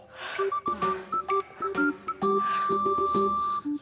sudah cukup latihan sampai disini